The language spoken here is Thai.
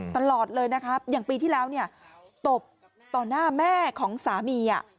ตลอดเลยนะครับอย่างปีที่แล้วเนี่ย